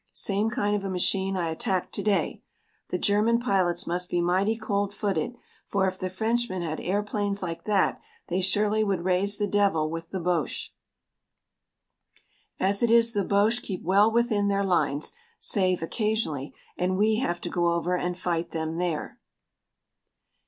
Same kind of a machine I attacked to day. The German pilots must be mighty cold footed, for if the Frenchmen had airplanes like that they surely would raise the devil with the Boches. As it is the Boches keep well within their lines, save occasionally, and we have to go over and fight them there.